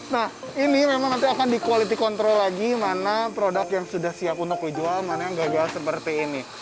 nah ini memang nanti akan di quality control lagi mana produk yang sudah siap untuk dijual mana yang gagal seperti ini